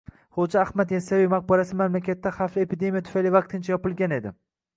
Xoʻja Ahmad Yassaviy maqbarasi mamlakatda xavfli epidemiya tufayli vaqtincha yopilgan edi.